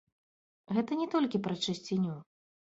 Гэта не толькі пра чысціню.